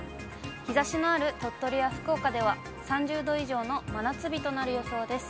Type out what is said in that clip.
日ざしのある鳥取や福岡では３０度以上の真夏日となる予想です。